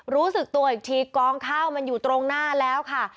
รู้สึกตัวอีกทีกองข้าวมันอยู่ตรงหน้าแล้วค่ะ